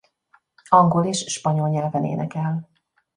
Angol és spanyol nyelven énekel.